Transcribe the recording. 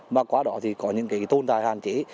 mà quá đó thì có những tôn tài hạn chế